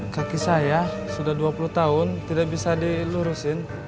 kaki saya sudah dua puluh tahun tidak bisa dilurusin